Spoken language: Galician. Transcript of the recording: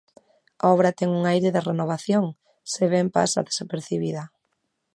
A obra ten un aire de renovación, se ben pasa desapercibida.